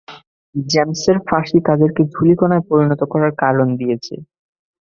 জেমসের ফাঁসি তাদেরকে ধূলিকণায় পরিণত করার কারণ দিয়েছে।